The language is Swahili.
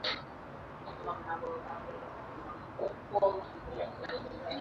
watu wengi walikuwa wanaomba hela ya kurekodi nyimbo zao studio Changamoto hiyo ikamfanya marehemu